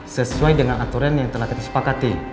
sesuai dengan aturan yang telah kita sepakati